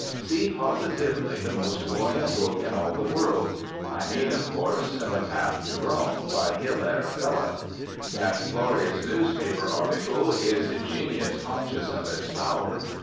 See positively the most buoyant book in all the world; I mean, of course, "The Path to Rome," by Hilaire Belloc. That glorious newspaper article, "Is Genius Conscious of Its Power?"